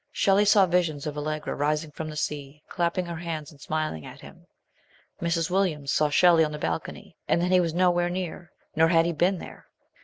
Shelley saw visions of Allegra rising from the sea, clapping her hands and smiling at him. Mrs. Williams saw Shelley on the balcony, and then he was nowhere near, nor had he been there.